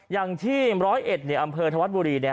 อย่างที่๑๐๑อำเภอธวัฒนบุรี